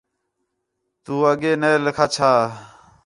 تو اَگے نَے لَکھا چھا